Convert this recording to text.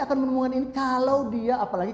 akan menemukan ini kalau dia apalagi